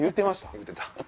言うてた。